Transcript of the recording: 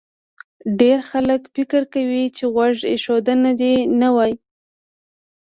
ډېری خلک فکر کوي چې غوږ ایښودنه دې ته وایي